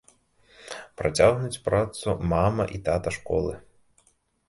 Працягнуць працу мама- і тата-школы.